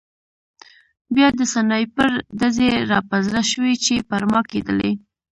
بیا د سنایپر ډزې را په زړه شوې چې پر ما کېدلې